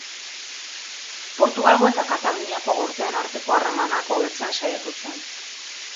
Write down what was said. Portugalgo eta Kataluniako gorteen arteko harremanak hobetzen saiatu zen.